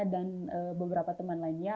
dan beberapa teman lainnya